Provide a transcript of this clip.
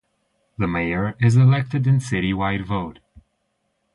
The mayor is elected in citywide vote.